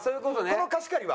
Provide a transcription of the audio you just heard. ここの貸し借りは。